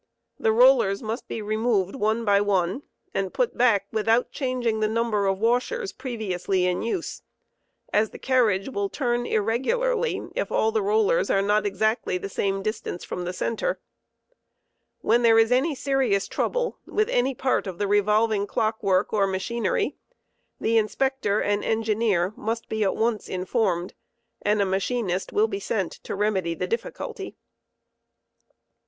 The rollers must be removed one by one, and put back without changing the number of washers previously in use, as the carriage will turn irregularly if all the rollers are not exactly the same distance from the center. When there is any serious trouble with any part of the revolving clock* work or machinery the Inspector and Engineer must be at once informed, and a machinist will be sent to remedy the difficulty.